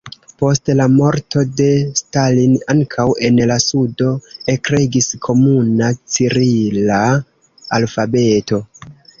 Post la morto de Stalin ankaŭ en la sudo ekregis komuna cirila alfabeto.